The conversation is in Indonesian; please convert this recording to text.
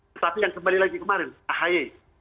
tetapi yang kembali lagi kemarin ahy